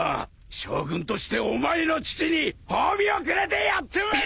将軍としてお前の父に褒美をくれてやってもいい！